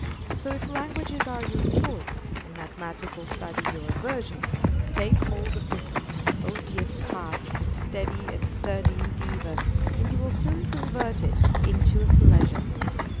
So, if languages are your choice, and mathematical study your aversion, take hold of the odious task with steady and sturdy endeavor, and you will soon convert it into a pleasure.